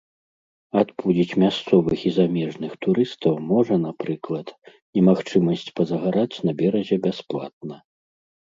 Адпудзіць мясцовых і замежных турыстаў можа, напрыклад, немагчымасць пазагараць на беразе бясплатна.